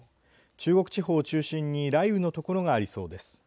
中国地方を中心に雷雨の所がありそうです。